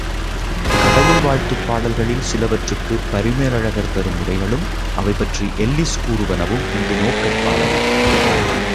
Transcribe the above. கடவுள் வாழ்த்துப் பாடல்களில் சிலவற்றிற்குப் பரிமேலழகர் தரும் உரைகளும் அவை பற்றி எல்லிஸ் கூறுவனவும் இங்கு நோக்கற்பாலன.